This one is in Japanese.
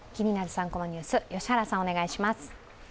３コマニュース」、良原さん、お願いします。